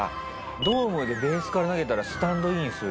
ドームでベースから投げたらスタンドインするけどね。